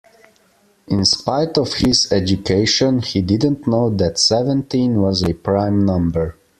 In spite of his education, he didn't know that seventeen was a prime number